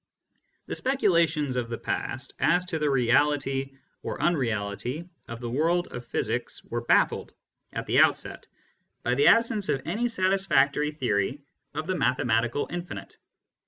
The speculations of the past as to the reality or un reality of the world of physics were baffled, at the outset, by the absence of any satisfactory theory of the mathe . matical infinite.